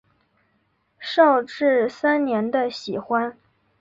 绍治三年的喜欢。